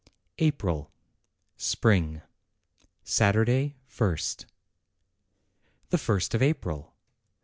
APRIL SPRING Saturday, ist. THE first of April!